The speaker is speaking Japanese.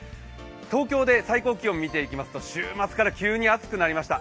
東京で最高気温見ていきますと、週末から急に暑くなりました。